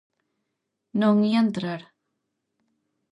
Non ía entrar...